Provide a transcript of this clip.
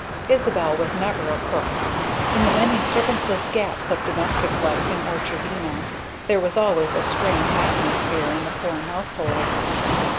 Isabel was never a cook. In the many servantless gaps of domestic life in Orchardina, there was always a strained atmosphere in the Porne household.